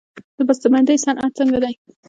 د بسته بندۍ صنعت څنګه دی؟